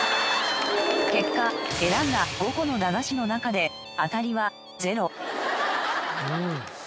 結果選んだ５個の駄菓子の中であたりは０。